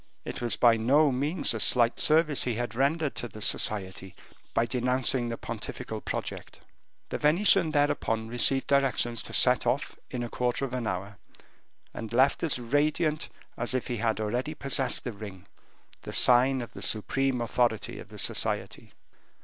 It was by no means a slight service he had rendered the society by denouncing this pontifical project. The Venetian thereupon received directions to set off in a quarter of an hour, and left as radiant as if he already possessed the ring, the sign of the supreme authority of the society.